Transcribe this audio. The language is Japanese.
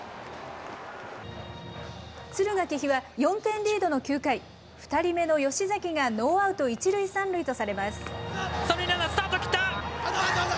敦賀気比は４点リードの９回、２人目の吉崎がノーアウト１塁３塁スタート切った。